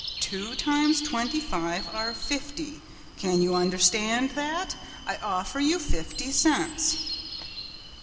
Two times twenty five are fifty! Can you understand that? I offer you fifty cents."